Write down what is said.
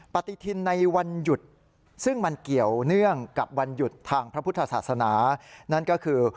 ปฏิทินในวันหยุดซึ่งมันเกี่ยวเนื่องกับวันหยุดทางพระพุทธศาสนานั่นก็คือ